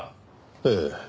ええ。